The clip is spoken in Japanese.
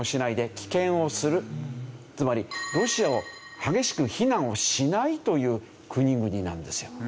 つまりロシアを激しく非難をしないという国々なんですよ。